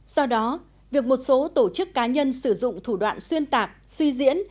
do đó việc một số tổ chức cá nhân sử dụng thủ đoạn xuyên tạc suy diễn